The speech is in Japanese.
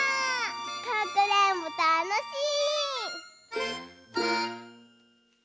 かくれんぼたのしい！